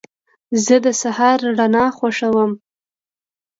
زه د سهار رڼا خوښوم.